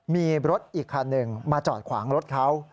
มีรถอีกคันหนึ่งมาจอดขวางรถเขา